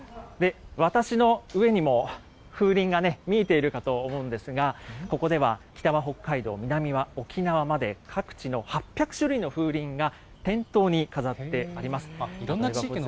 私の上にも風鈴がね、見えているかと思うんですが、ここでは北は北海道、南は沖縄まで、各地の８００種類の風鈴が、店頭に飾ってあります。